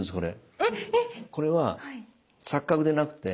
これは錯覚でなくて。